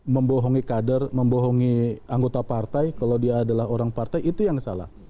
membohongi kader membohongi anggota partai kalau dia adalah orang partai itu yang salah